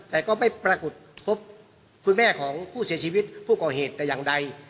แต่ก็ไม่ปรากฏพบคุณแม่ของผู้เสียชีวิตผู้ก่อเหตุแต่อย่างใด